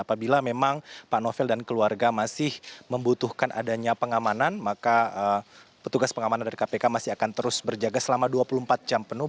apabila memang pak novel dan keluarga masih membutuhkan adanya pengamanan maka petugas pengamanan dari kpk masih akan terus berjaga selama dua puluh empat jam penuh